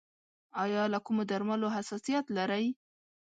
ایا له کومو درملو حساسیت لرئ؟